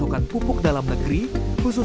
halo pak desi